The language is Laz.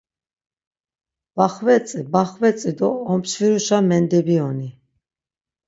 Baxvetzi, baxvetzi do omçfiruşa mendebiyoni.